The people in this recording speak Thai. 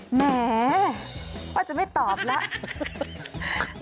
แหมป้าจะไม่ตอบแล้ว